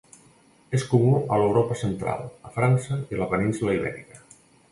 És comú a l'Europa central, a França i a la península Ibèrica.